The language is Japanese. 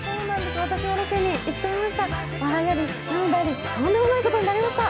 私もロケに行っちゃいました。